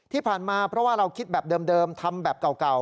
ที่ผ่านมาเพราะว่าเราคิดแบบเดิมทำแบบเก่า